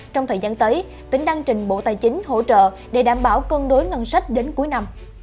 trong thời gian tới tỉnh đang trình bộ tài chính hỗ trợ để đảm bảo cân đối ngân sách đến cuối năm